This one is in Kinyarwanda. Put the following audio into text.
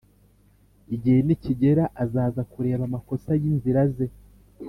igihe nikigera azaza kureba amakosa yinzira ze.